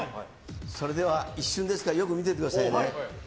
それでは一瞬ですから見てください。